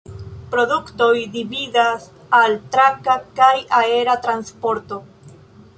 Produktoj dividas al traka kaj aera transporto.